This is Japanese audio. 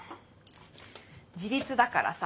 自立だからさ。